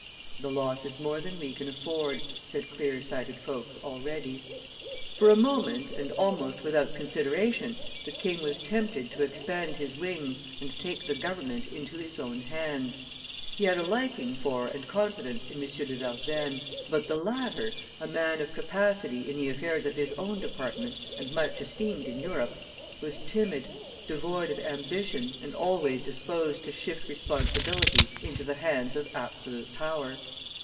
"The loss is more than we can afford," said clear sighted folks already. For a moment, and almost without consideration, the king was tempted to expand his wings and take the government into his own hands; he had a liking for and confidence in M. de Vergennes; but the latter, a man of capacity in the affairs of his own department and much esteemed in Europe, was timid, devoid of ambition and always disposed to shift responsibility into the hands of absolute power.